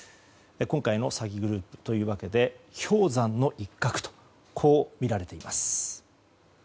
今回の詐欺グループというわけで氷山の一角とみられています。